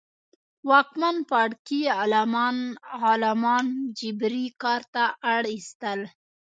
واکمن پاړکي غلامان جبري کار ته اړ اېستل.